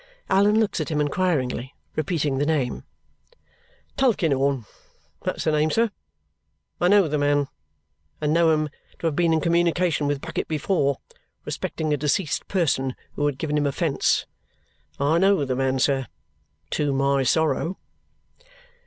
Allan looks at him inquiringly, repeating the name. "Tulkinghorn. That's the name, sir. I know the man, and know him to have been in communication with Bucket before, respecting a deceased person who had given him offence. I know the man, sir. To my sorrow."